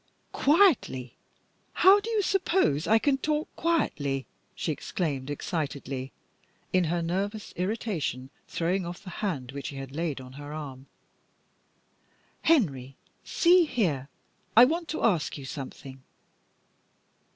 "Quietly! How do you suppose I can talk quietly?" she exclaimed excitedly, in her nervous irritation throwing off the hand which he had laid on her arm. "Henry, see here, I want to ask you something.